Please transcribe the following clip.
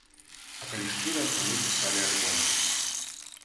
А калі шчыра, то мы пісалі альбом.